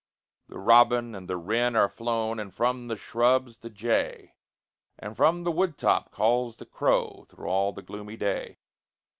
The robin and the wren are flown, and from the shrubs the jay, And from the wood top calls the crow through all the gloomy day.